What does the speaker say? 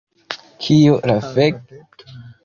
Kio la fek...?